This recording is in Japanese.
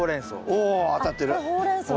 おお当たってる。